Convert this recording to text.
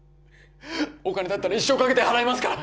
お金だったら一生かけて払いますから！